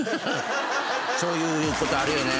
そういうことあるよね。